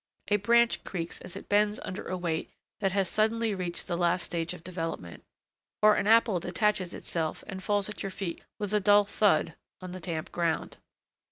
A branch creaks as it bends under a weight that has suddenly reached the last stage of development; or an apple detaches itself and falls at your feet with a dull thud on the damp ground.